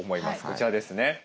こちらですね。